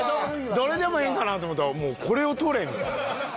どれでもええんかなと思ったらこれを取れ！みたいな。